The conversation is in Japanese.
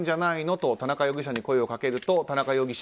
と田中容疑者に声をかけると田中容疑者